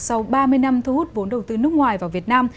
sau ba mươi năm thu hút vốn đầu tư nước ngoài vào việt nam